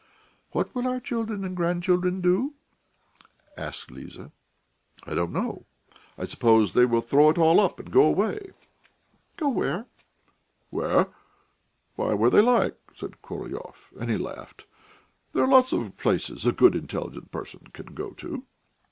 "What will our children and grandchildren do?" asked Liza. "I don't know.... I suppose they will throw it all up and go away." "Go where?" "Where?... Why, where they like," said Korolyov; and he laughed. "There are lots of places a good, intelligent person can go to."